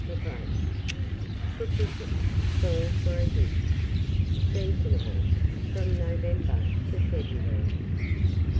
the brace. Sufficient, 4 for a dish. Seasonable from November to February.